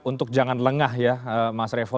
untuk jangan lengah ya mas revo